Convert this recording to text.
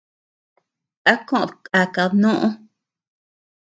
¿A kod kàkad noʼo?